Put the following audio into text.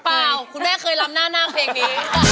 เปล่าคุณแม่เคยลำหน้านาคเพลงนี้